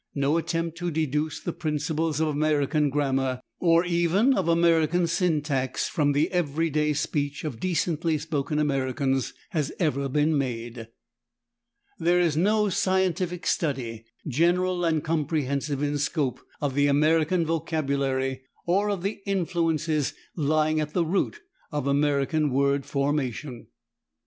No attempt to deduce the principles of American grammar, or even of American syntax, from the everyday speech of decently spoken Americans has ever been made. There is no scientific study, general and comprehensive in scope, of the American vocabulary, or of the influences lying at the root of American word formation.